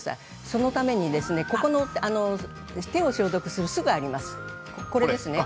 そのために手を消毒する酢があります。